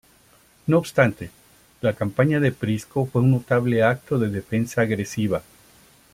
No obstante, la campaña de Prisco fue un notable acto de defensa agresiva.